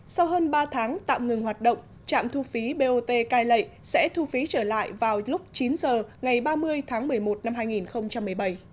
sau hơn ba tháng tạm ngừng hoạt động trạm thu phí bot cai lệ sẽ thu phí trở lại vào lúc chín h ngày ba mươi tháng một mươi một năm hai nghìn một mươi bảy